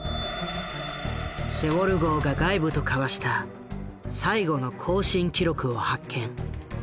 セウォル号が外部と交わした最後の交信記録を発見。